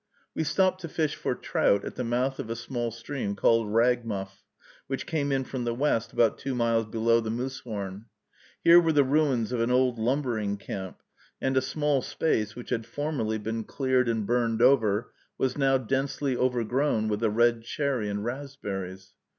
We stopped to fish for trout at the mouth of a small stream called Ragmuff, which came in from the west, about two miles below the Moosehorn. Here were the ruins of an old lumbering camp, and a small space, which had formerly been cleared and burned over, was now densely overgrown with the red cherry and raspberries.